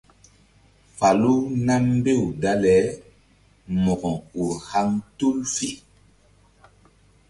Falu nam mbew dale mo̧ko ur haŋ tul fe.